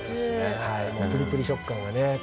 プリプリ食感がね